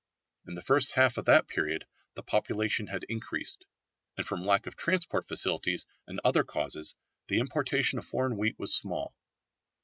In the first half of that period the population had increased, and from lack of transport facilities and other causes the importation of foreign wheat was small.